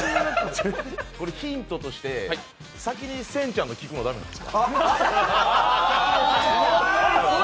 ヒントとして先にせんちゃんの聞くの駄目なんですか？